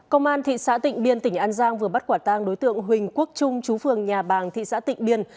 công an thị xã tịnh biên tỉnh an giang vừa bắt quả tang đối tượng huỳnh quốc trung chú phường nhà bàng thị xã tịnh biên